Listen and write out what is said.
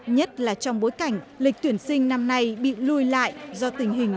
nhất là trong bối cảnh lịch tuyển sinh năm nay bị lùi lại do tình hình